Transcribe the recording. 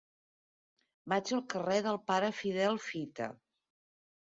Vaig al carrer del Pare Fidel Fita.